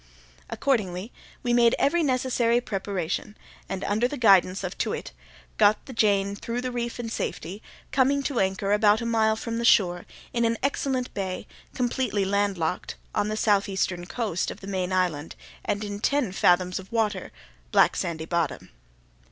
Accordingly we made every necessary preparation, and, under the guidance of Too wit, got the Jane through the reef in safety, coming to anchor about a mile from the shore, in an excellent bay, completely landlocked, on the southeastern coast of the main island, and in ten fathoms of water, black sandy bottom.